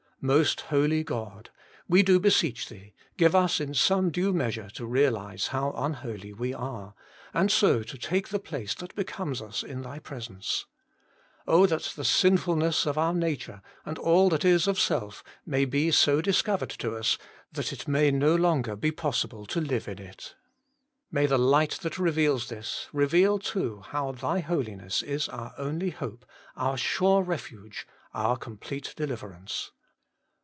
Most Holy God ! we do beseech Thee, give us in some due measure to realize how unholy we are, and so to take the place that becomes us in Thy presence. Oh that the sinfulness of our nature, and all that is of self, may be so discovered to us, that it may be no longer possible to live in it ! May the Light that reveals this, reveal too, how Thy Holiness is our only hope, our sure refuge, our complete deliverance.